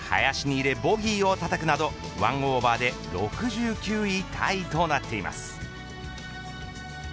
一方、石川遼は林に入れボギーをたたくなど１オーバーで６９位タイとなっています。